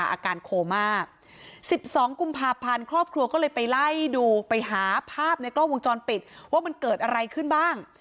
อาการโคม่า๑๒กุมภาพันธ์ครอบครัวก็เลยไปไล่ดูไปหาภาพในกล้องวงจรปิดว่ามันเกิดอะไรขึ้นบ้าง